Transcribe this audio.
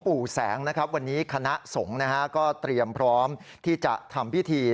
ปู่แสงนะครับวันนี้คณะสงฆ์นะฮะก็เตรียมพร้อมที่จะทำพิธี